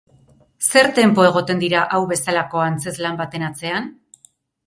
Zer tempo egoten dira hau bezalako antzezlan baten atzean?